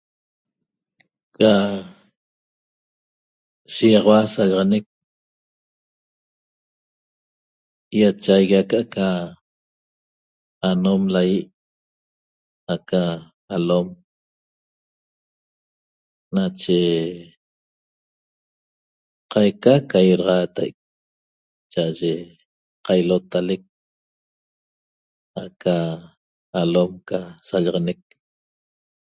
Ca shiýaxaua sallaxanec ýachaigui aca'aca anom laýi' aca alom nache qaica ca iaxaxaatai' cha'aye qailotalec aca alom ca sallaxanec